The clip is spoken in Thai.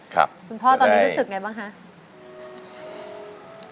คุณพ่อตอนนี้รู้สึกไงบ้างคะ